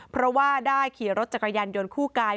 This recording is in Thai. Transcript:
เพราะว่าได้ขี่รถจักรยานยนต์คู่กาย